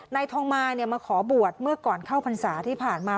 นายทองมามาขอบวชเมื่อก่อนเข้าพรรษาที่ผ่านมา